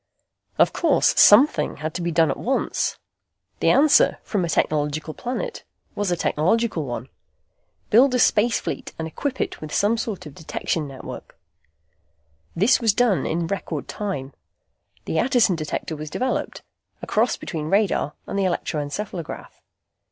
Of course, something had to be done at once. The answer, from a technological planet, was a technological one. Build a space fleet and equip it with some sort of a detection fire network. This was done in record time. The Attison Detector was developed, a cross between radar and the electroencephalograph.